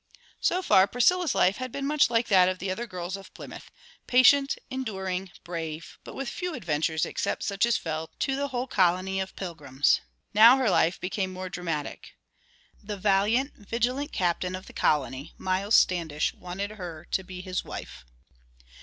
So far Priscilla's life had been much like that of the other girls of Plymouth, patient, enduring, brave, but with few adventures except such as fell to the whole colony of Pilgrims. Now her life became more dramatic. The valiant, vigilant captain of the colony, Miles Standish, wanted her to be his wife.